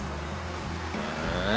へえ